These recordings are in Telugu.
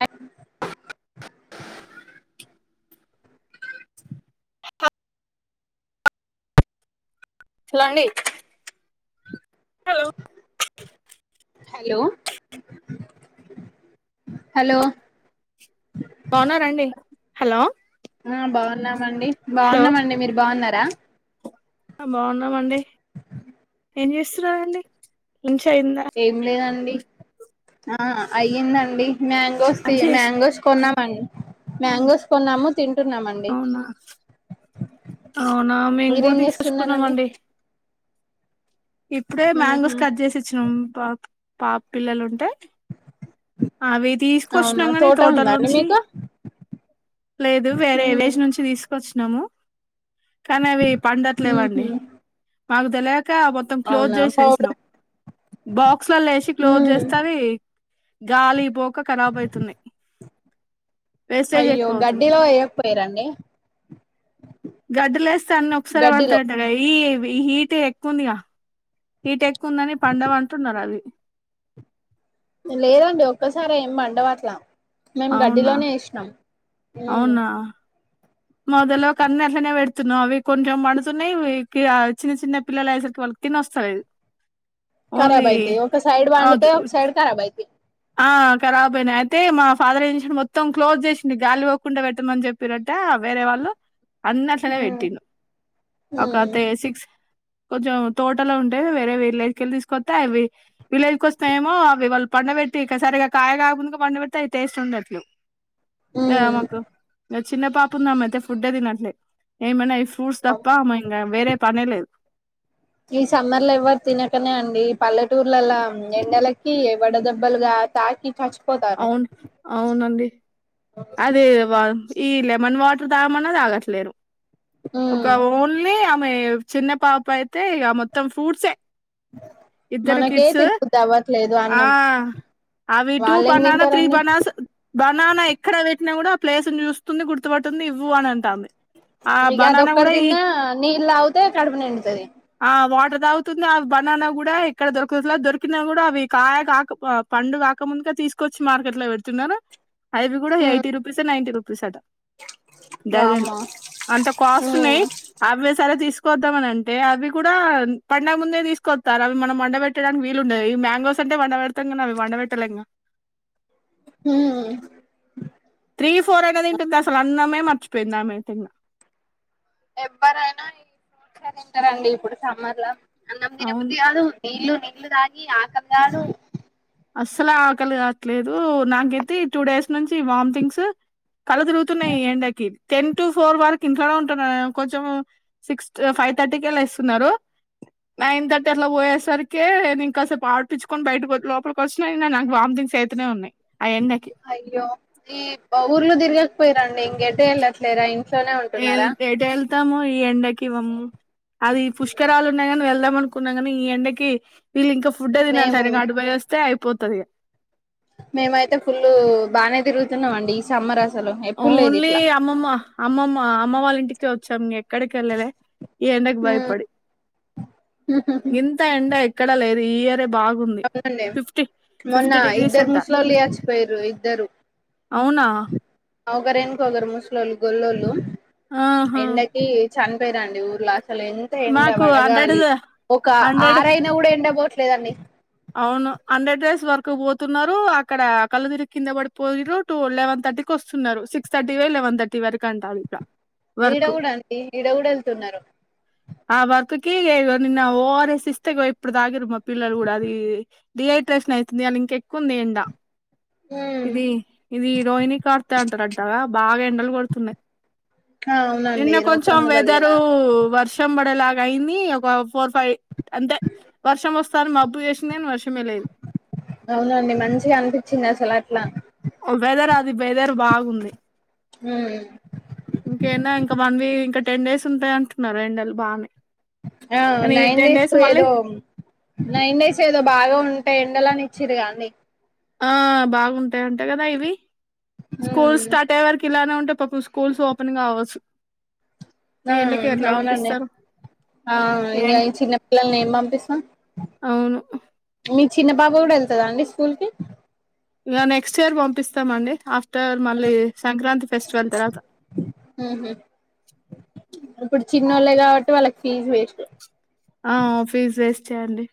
అ [unintelligible] హలో అండి హలో హలో హలో బాగున్నారా రండి హలో ఆ బాగున్నాము అండి బాగున్నామండి మీరు బాగున్నారా [inaudible] హ బాగున్నామండి ఏం చేస్తున్నరండి ఏం లేదండి ఆ అయ్యిందండి మ్యాంగోస్ లంచ్ చేసి మ్యాంగోస్ కొన్నాం అన్ మ్యాంగోస్ కొన్నాము తింటున్నామండి అవునా అవునా మేము కూడా మీరేం తీసేస్కున్నా చేస్తున్నారండి మండి ఇప్పుడే ఉహు మ్యాంగోస్ కట్ చేసి ఇచ్చినం పాప పాప్ పిల్లలు ఉంటాయి అవి అవునా తీసుకొచ్చినం నీ తోట తోటల ఉందా అండి నుంచి మీకు లేదు వేరే ఉమ్ ఏవేజ్ నుంచి తీసుకొచ్చ నమో కానీ అవి ఉహు పండట్లేవండి మాక్ తెల్వక మొత్తం క్లోజ్ అవునా చేసేసిన్నాం పౌడర్ బాక్స్లలో వేసి ఉ క్లోజ్ చేస్తే అవి గాలి పోక కరాబయ్తున్నాయి అయ్యో గడ్డిలో ఏయకపోత్ పేరండి గడ్డిలోలేస్తన్నా ఒక్కసారి బంతా పేట్నావ్ గదా ఈ ఇవి హీట్ ఎక్కువుందిగా హీట్ ఎక్కువందని పండవ్ అంటున్నారు ఆళ్లు లేదండి ఒక్కసారే ఏం మండబట్ల మేమ్ అవునా గడ్డిలోనే వేస్నామ్ హ్మ్మ్ అవునా మొదలో కన్నీ అట్లనే పెడుతున్నావ్ అవి కొంచెం పండుతున్నాయి ఇవి చిన్న చిన్న పిల్లలు అయేసరికి వాళ్ళకి తినోస్తలేదు ఖరాబ్ అయితై ఒక సైడ్ పండితే ఒక సైడ్ కరాబ్ అయితై ఆ కారాబ్ అయినై అయితే మా ఫాదర్ ఏ మొత్తం క్లోజ్ చేసింది గాలి పోకుండా పెట్టామని చెప్పిరంట వేరే వాళ్ళు అన్నసనే ఉమ్ పెట్టిను ఒక ఉమ్ త్రి సిక్స్ కొంచెం తోటలో ఉండేవ్ వేరే వేర్లోకి తీసుకొస్తతే అవి విలేజ్కి వస్తే ఏమో అవి వాళ్ పండవెట్ట్ టికా సరిగా కాయ కాకముందుకు పండి పెడితే అది టేస్ట్ ఉండట్లేవ్ యా మాకు మే చిన్న పాప ఉన్నమే ఈమధ్య ఫుడ్డే తినట్లే ఏమైనా ఐస్ ఫ్యూస్ తప్పా మాన్గా వేరే పనే లేదు ఈ సమ్మర్ లో ఎవ్వరు తినకనే అండి పల్లెటూర్లలో ఎండలకి వడదెబ్బలుగా తాకి చచ్పో అవున్ అవునండి అదే వాల్ ఈ లెమన్ వాటర్ తాగమన్నా తాగట్లేరు ఉమ్ ఒక ఓన్లీ మయ్వో చిన్న పాప అయితే ఇక మొత్తం ఫ్రూట్స్ ఇద్దరు మనకే కిడ్స్ తినబుద్ధి అవ్వట్లేదు ఆ అన్నం అవి టూ వాళ్ళేం బననా త్రీ తింటారండి బనానాస్ బననా పెట్టినా కూడా ఆ ప్లేస్ను చూస్తుంది గుర్తుపట్తుంది ఇవ్వు అని అంటాంది ఆ ఇగ బనానా అదొక్కటి కూడా ఈ తిన్న నీ ఇలా అవ్తే కడుపు నిండుతాది ఆ వాటర్ తాగుతుంది అవి బనానా కూడా ఇక్కడ దొరుకుతులా దొరికినా కూడా అవి కాయ కాక పండు కాకముందుగా తీసుకొచ్చి మార్కెట్ లో పెడుతున్నారు ఐదు కూడా ఎయిటీ రుపీస్యే నైంటీ రుప్ పుష్ ఆట డజన్ వామ్మో అంత కాస్ట్ ఉమ్ ఉన్నాయి అవే సాల తీసుకు తీసుకోద్దామనన్టే అవి కూడా పండగ ముందే తీసుకొస్తారు అ మనం వండ పెట్టడానికి వీలుండేది ఈ మ్యాంగోస్ అంటే వండ పెడతాం క అవి వండ పెట్టలేం కదా హు త్రీ ఫోర్ అయిన తిన్టుంది అసలు అన్నమే మర్చిపోయింది ఆమె అయితే ఎవ్వరైనా ఈ ఫ్రూట్స్ తింటారండి ఇప్పుడు సమ్మర్ లో అన్నం అవును తినబుద్ధి కాదు నీళ్లు నీళ్లు నీల్లు తాగి ఆకలి కాదు అస్సలు ఆకలి కావట్లేదు నాకైతే టూ డేస్ నుంచి వామ్మ్థింగ్స్ కళ్ళు తిరుగుతున్నాయి ఈ ఎండకి టెన్ టు ఫోర్ వరకు ఇంట్లోనే ఉంటాను నేను కొంచెం సిక్స్ ఫైవ్ థర్టీకిళ్లా ఇస్తున్నారు నైన్ థర్టీ అట్లా పోయేసరికి నేను ఇంకాసేపు ఆడిపిచ్చుకొని బయటకి లోపలకి ప్రశ్నఅయిందన అయ్యో ఇ బవుర్లు తిరిగే పోయిరండి ఇంగటు ఎల్లట్లే ఎంత ఎటు వెళ్తాం ఈ ఎండకి కివ మూ అది పుష్కరాలు ఉన్నాయిగా వెళ్దాం ఏమో అనుకున్నా కానీ ఈ ఎండకి వీళ్ళ ఇంకా ఫుడ్డే తినలే మేము నేను అటు పోయి వస్తే పోతదిగా మేమయితే ఫుల్ బాగనే తిరుగుతున్నామండి ఈ సమ్మర్ అసలు ఎప్పుడు లేదు ఓన్లీ ఇట్లా అమ్మమ్మ అమ్మమ్మ అమ్మ వాళ్ళ ఇంటికి వచ్చాం ఎక్కడికి వెళ్ళలే ఈ ఎండకు భయపడి ఇంత ఎండ ఎక్కడా లేదు తీయ్యర్ అవునండి మొన్న ఫిఫ్టీ డిగ్రీస్ ఇద్దరు అంట ముసలోళ్ళు చచ్చిపోయిర్రు ఇద్దరు. అవునా ఆ ఒకరు వెనక ఒకరు ముసలోళ్ళు గొల్లోళ్ళు. ఆహా ఎండకి చనిపోయిరండి ఊర్లా. అసలు ఎంత ఎండ మాకు హండ్రెడ్ వడగాలి ఒక హండ్రెడ్ ఆరైనా కూడా ఎండ పో వెళ్ళట్లేలేదు అండి. అవును హండ్రెడ్ డేస్ వరకు పోతున్నారు అక్కడ కళ్ళు తిరిగి కింద పడిపోయిరు టూ లెవెన్ థర్టీకి వస్తున్నారు సిక్స్ థర్టీ లెవెన్ థర్టీ వరకు అంట అట్లా. ఈడ కూడా అండి ఈడ కూడా వెళ్తున్నారు. ఆ వర్క్ కి ఏ నిన్న ఓ ఆర్ ఎస్ ఇస్తే ఇగో ఇప్పుడు తాగిర్రు మా పిల్లలు కూడా డి డిహైడ్రేషన్ అయితుంది అని ఇంకా ఎక్కువ ఉంది ఎండ. ఉమ్ ఇది ఇది రోహిణీ కార్తి అంటారంటగా బాగా ఎండలు కొడుతున్నాయి ఆ అవునండి నిన్న కొంచెం రోకన్లు వెదరు బలిగిన వర్షం పడి. లాగా అయింది ఒక ఫోర్ ఫైవ్. అంతే వర్షం వస్తాను మబ్బు. కాని వర్షమే లేదు అవునండి మంచిగా అనిపించింది అసలు. అట్లా వెదర్ అది వెదర్ బాగుంది. హ్మ్. ఇంకేనా ఇంకా వన్ వీక్ ఇంకా టెన్ డేస్ ఉంటాయి అంటున్నారు ఎండలు బాగానే ఆ కానీ నైన్ టెన్ డేస్ మళ్ళీ ఏదో నైన్ డేస్ ఏదో బాగా ఉంటాయి ఎండలు అని. ఇచ్చిరుగా అండి. ఆ బాగుంటాయి అంటా కదా ఇవి. స్కూల్ ఉమ్ స్టార్ట్ వారకి. ఇలానే ఉంటే పాపం స్కూల్స్ ఓపెన్ గా కావచ్చు. ఆ ఈ ఎండకి ఎట్లా అవునండి పంపిస్తారు ఆహ ఇక ఈ చిన్నపిల్లల్ని ఏం పంపిస్తాం అవును మీ. చిన్న పాప కూడా వెళ్తుందా అండి స్కూల్ కి. ఇలా నెక్స్ట్ ఇయర్ పంపిస్తాము అండి ఆఫ్. ఆఫ్టార్ మళ్ళీ సంక్రాంతి ఫెస్టివల్ తర్వాత. ఉహు ఇప్పుడు చిన్నోళ్ళే కాబట్టి వాళ్ళకి ఫీజ్ వేస్ట్. ఆ ఫీజ్ వేస్ట్ అండి.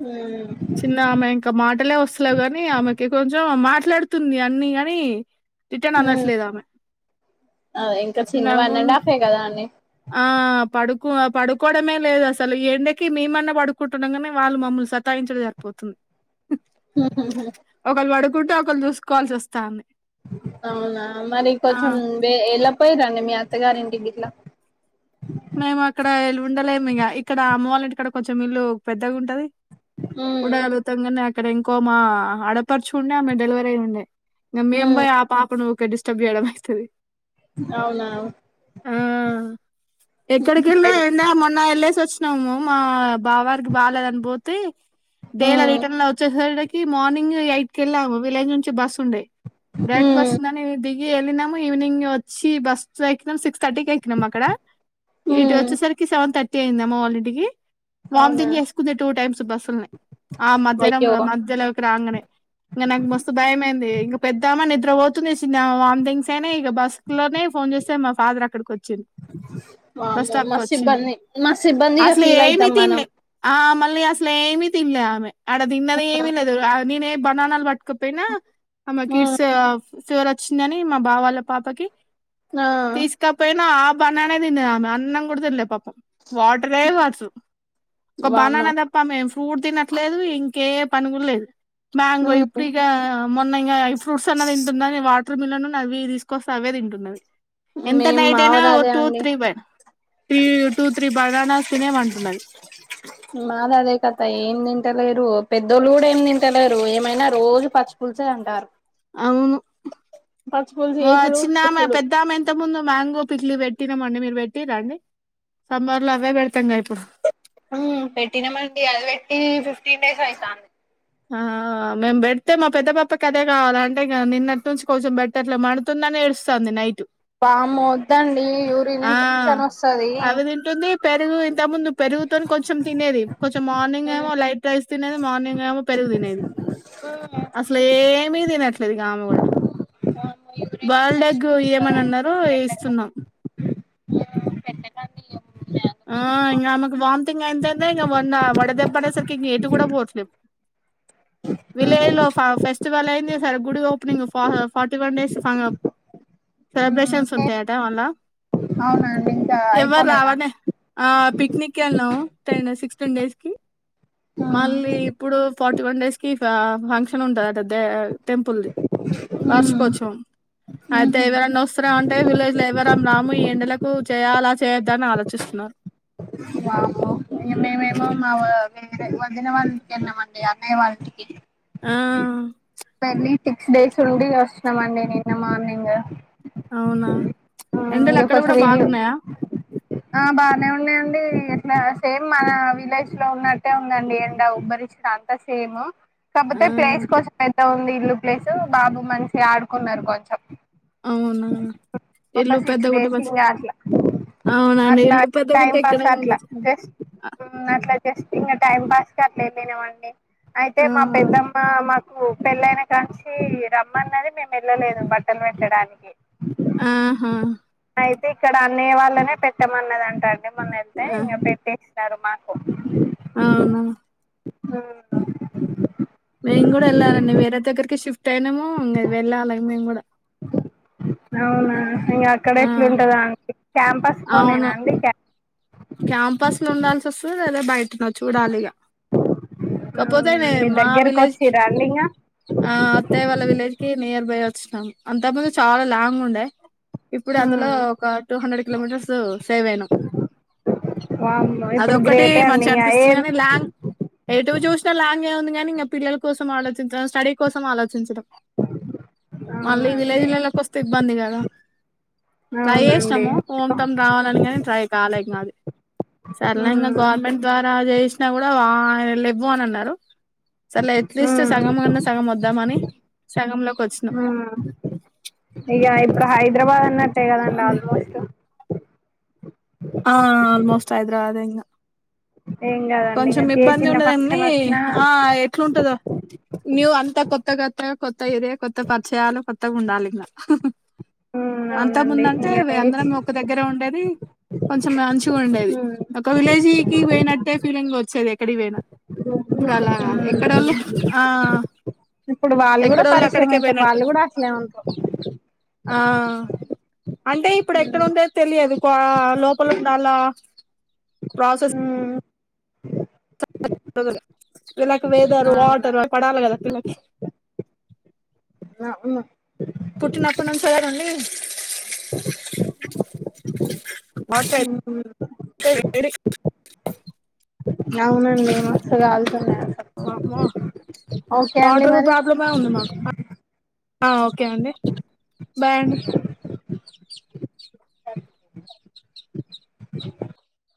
హ్మ్ చిన్న ఆమె ఇంకా మాటలే వస్తన్నా కాని ఆమెకి కొంచెం మాట. మాట్లాడుతుంది అన్ని గాని. రిటర్న్ అనట్లేదు ఆమె అ ఇంకా చిన్నగున్ చిన్నవన్నండికాయి కదా అీ ఆ పడుకో పడుకోవడమే లేదు అసలు ఎండకి మేమన్నా పడుకుంటున్నా కానే వాళ్ళు మమ్మల్ని సతాయించడం సరిపోతుంది ఉహుం హ్మ్ స్ కుటుొలు చూసుకోవాల్సి వస్తాంది అవునా మరి ఆ కొంచెం ఎలా పోయి రాండి మీ అత్తగారింటికిట్లా మేము అక్కడ ఉండలేము ఇక ఇక్కడ అమ్మ వాళ్ళంటిడ కొంచెం ఇల్లు పెద్దగా ఉంటది ఉమ్ కుడా అలుతంగానే ఇక్కడ ఇంకో మా ఆడపరుచు ఉండే ఆమె డెలివరీ అయి ఉండే మేము ఉమ్ పోయి ఆ పాపను డిస్టర్బ్ చెయ్యడం అయితది అవునావు ఎక్కడకిలో ఎండి మొన్నల్ సి వచ్చినాము మా బా వారికి బాగాలేదని పోతే డేలా ఉమ్ రిటర్న్ ఎలా వచ్చస ఈ మార్నింగ్ ఎయిట్ కెళ్లా విలేజ్ నుంచి బస్ ఉంది రెడ్ బస్ ఉందని ఇది ఇ వెళ్ళినాము ఈవినింగ్ వచ్చి బస్ ఎక్కినాం సిక్స్ థర్టీకి ఎక్కినము అక్కడ ఇటు ఉమ్ వచ్చే సరికి సెవెన్ థర్టీ తేలింది అమ్మ వాళ్ళింటికి అవునా వాామ్టింగ్ చేసుకుంది టూ టైమ్స్ బస్సుల్నే ఆ మధ్యనం అయ్యో మధ్యలోకి రాంగనే ఇంకా నాకు మస్తు భయమయింది ఇంక పెద్దామని ఇక్కడ వాంతుచేసింది ఆ వామ్టింగ్స్ అయినా ఇక బస్ లోనే ఫోన్ చేస్తే మా ఫాదర్ అక్కడికి వచ్చిండు బస్ వామ్మో స్టాప్ కి మస్తు వచ్చిండు ఇబ్బంది మస్త్ ఇబ్బందిగా అసలు ఫీల్ అయితం మనం స్లేమితినాలె ఆమె ఆడ తిన్నదేమీ లేదు నేనే [unintelligible] ఇంకపోయినా ఆమె ఉమ్ కిస్ ఫీవర్ వచ్చిందని మా బా వాళ్ళ పాపకి ఆ తీస్కపోయినా ఆ నానెతిన్న ఆమె అన్నం కూడ తినలే పాప్ వాటరే కావచ్చు ఒక వామ్మో బనానా తప్పా మేము ఫ్రూట్ తినట్లేదు ఇంకే పనిగూడ లేదు మాంగో ఉమ్ ఇప్పుటికా మొన్నింగా ఫ్రూట్స్ అన్నా తింటుందని వా వాటర్మేలోన్ ను అవి తీసుకొస్తే అవే తింటున్నరు ఎంత మేము నైట్ అయినా.... మావదదే two three by three two three bananas తినేమంటున్నది మాది అదే కథ ఏం తింటలేరు. పెద్దోళ్ళు కూడా ఏం తింటలేరు ఏమైనా రోజు పచ్చి పులుసే అంటారు. అవును.. పచ్చిపులుసు చేసుడు చిన్నామె పోసుడు పెద్దామె ఇంత ముందు మ్యాంగో పిక్లీ పెట్టినామండి మీరు పెట్టిర్రా అండి సమ్మర్ లో అవే పెడతాం గా ఇప్పుడు హ్మ్ పెట్టినమండి అది పెట్టి ఫిఫ్టీన్ డేస్ అయితాంది. ఆ మేము పెడితే మా పెద్ద పాపకి అదే కావాల అంటే ఇక నిన్నటి నుంచి కొంచెం పెట్టట్లే మండుతుందని ఏడుస్తుంది నైట్ వామ్మో వద్దండి యూరిన్ ఆ ఇన్ఫెక్షన్ వస్తది. అవి తింటుంది పెరుగు ఇంత ముందు పెరుగుతోని కొంచెం తినేది కొంచెం మార్నింగ్ ఏమో ఉమ్ లైట్ రైస్ తిన్నది మార్నింగేమో పెరుగు తినేది. ఉమ్. అసలేం ఎం తినట్లేదు గా ఆమె కూడా వామ్మో యూరిన్ బాయిల్డ్ ఎగ్ ఇన్ఫెక్షన్ ఏమని అన్నారో వస్తదండి పెట్టకండి ఇస్తున్నాం పెట్టకండి ఆ ఇంగా ఆమెకు ఓమిటింగ్ అయింది ఇంగా వంగ వడదెబ్బ అనే సరికి ఇంగా ఎటు కూడా పొట్లేం విలేజ్ లో ఫ ఫెస్టివల్ అయింది సార్ గుడి ఓపెనింగ్ ఫా ఫార్టీ వన్ డేస్ సెలబ్రేషన్స్ ఉంటాయట మల్ల అవునండి ఇంకా ఎవరు అయిపోలేదా రావాలనే ఆ పిక్నిక్ ఎల్లినం పోయిన సిక్స్ టెన్ డేస్ కి మళ్ళీ ఇప్పుడు ఫార్టీ ఫిర్టీ వన్ డేస్ కి ఫంక్షన్ ఉంటాదట టెంపుల్ది వార్షికోత్సవం అయితే ఎవరనా వస్తారా అంటే విలేజ్ లో ఎవరం రాము ఈ ఎండలకు చేయాలా చేయొద్ద అని ఆలోచిస్తున్నారు వామ్మో మేమేమో మా వేరే వదిన వాళ్ళకి ఇంటికి వెళ్ళామండి అన్నయ్య వాళ్ళ ఇంటికి ఆ వెళ్లి సిక్స్ డేస్ ఉండి వస్తున్నామండి నిన్న మార్నింగ్ అవునా ఇంగ ఎండలు అక్కడ కూడా కొంచెం ఇల్లు బాగున్నాయా ఆ బానే ఉన్నాయండి సేమ్ మన విలేజ్ లో ఉన్నట్టే ఉందండి ఎండ ఉబ్బరింత అంతా సేమ్ ఆ కాపోతే ప్రైస్ కొంచం పెద్దగా ఉంది ఇల్లు ప్లేసు బాబు మంచిగా ఆడుకున్నారు కొంచెం అవునా ఒక ఇల్లు సిక్స్ డేస్ పెద్దగుంట ఇంకా అట్లా అవునండి ఇల్లు పెద్ద గుంట ఎక్కడై లా జస్ట్ అట్లా జస్ట్ ఇ టైం పాస్ చెర్లేదనేవండి అయితే మా ఆ పెద్దమ్మ మా పెళ్ళైన కాంచి రమ్మన్నది మేము వెళ్ళలేదు బట్టలు పెట్టడానికి ఆహా అయితే ఇక్కడ అనే వాళ్ళనే పెట్టమ అన్నది అంట అండి మొన్న స ఆ! ఇంగ పెట్టేసి ఎడు మాకు అవునా ఆ నే కూడా ఎలా అండి వేరే దగ్గకిషిఫ్ట్ తెనము ఇంగ వెళ్ళాలే మేం కూడా అవునా, ఇంగ అక్కడ ఆ! ఎట్లుంటదో అం క్యాంపస్ లోనేేనా అండి క్య క్యాంపస్ లో ఉండాల్సి వస్తది లేదా బయటనో చూడాలిగా అవునా కాపోతేనే మీ మా దగ్గరకు విలేజ్ వచ్చిరా అండి ఇంగ ఆ అత్తయ్య వాళ్ళ విలేజ్ కి నియర్ బై వచ్చినాం అంతా ముందు చాలా లాంగ్ ఉండే ఇప్పుడు అందులో ఉమ్ ఒక టూ హండ్రెడ్ కిలోమీటర్స్ సేవ్ అయినాం వామ్మో ఇప్పుడు అదొక్కటి గ్రేటే అండి మంచిగా ఇంగ అనిపిస్తుంది ఏం కాని లాంగ్ ఎటు చూసినా లాంగ్ గే ఉంది కాని పిల్లల కోసం ఆలోచించడం స్టడీ కోసం ఆలోచించడం మళ్ళీ అవునండి విలేజ్లల్లకి వస్తే ఇబ్బంది కదా ట్రై అవునండి చేసినము హోమ్ టమ్ రావాలని కానీ ట్రై కాలే ఇంగ అది. సరళంగా ఉమ్ గవర్నమెంట్ ద్వారా దే స్న కూడా ఆ లెవ్వు అని అన్నారు. సర్లే ఎట్లీస్ట్ ఉమ్ సగం కన్నా సగం వద్దామని సగంలోకి వచ్చినాం. ఉమ్ టే కదండి ఆల్మోస్ట్ ఆ ఆల్మోస్ట్ హైదరాబాద్ ఇంగ ఏం కదండి ఇగ కొంచెం ఏ ఇబ్బంది చిన్న ఉన్నదండి ఫంక్షన్ వచ్చినా ఆ ఎట్లుంటదో న్యూ అంతా కొత్త కొత్తగ కొత్త ఏరియా కొత్త పరిచయాలు కొత్తగుండాలి ఇంగ ఉమ్ అంత అవునండి ముందంటే ఇంగ వే ఏ అందరం చి ఒక దగ్గర ఉండేది, కొంచెం మంచిగా ఉండేది, ఉమ్ ఒక విలేజీకి పోయినట్ వచ్చేది ఎక్కడిపోయినా హ్మ్ ఆ ఇప్పుడు వాళ్ళు కూడా ఎక్కడోళ్ళు పరిచయం అక్కడికే అయితే పోయినట్టు వాళ్ళు కూడా అట్లే ఉంటరు ఆ అంటే ఇప్పుడు ఎక్కడుండేద్ తెలియదు కో లోపల ఉండాలా ప్రాసెస్ ఉమ్ [inaudible] విళ్ళాకి వెదరు అవునా వాటరు పడాల కదా పిల్లకి ఆ అవును పుట్టినప్పటి నుంచే గదండి మోటర్ ఎయ్ అవునండి మస్తు కాల్తాన్నాయి అంట, ఓకే అండి వాటర్ కూడా మరి ప్రాబ్లమే ఉంది మాకు ఆ ఓకే అండి బాయ్ అండి